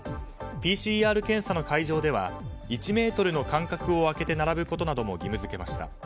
ＰＣＲ検査の会場では１ｍの間隔を空けて並ぶことなども義務付けました。